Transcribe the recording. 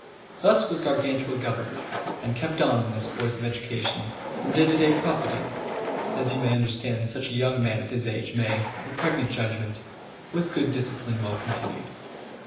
Thus was Gargantua governed, and kept on in this course of education, from day to day profiting, as you may understand such a young man of his age may, of a pregnant judgment, with good discipline well continued.